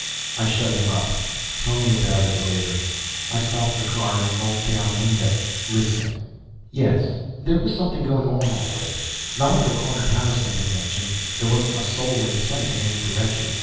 I shut him up. "Tell me about it later!" I stopped the car and rolled down a window, listening. Yes, there was something going on all right. Not at the corner Harrison had mentioned there wasn't a soul in sight in any direction.